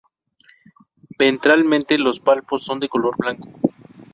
Ventralmente los palpos son de color blanco.